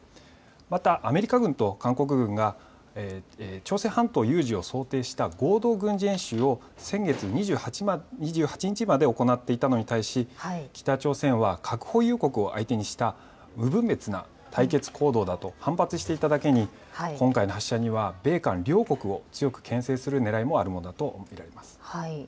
またアメリカ軍と韓国軍が朝鮮半島有事を想定した合同軍事演習を先月２８日まで行っていたのに対し北朝鮮は核保有国を相手にした無分別の対決行動だと反発していただけに今回の発射には米韓両国を強くけん制するねらいもあるものと見られます。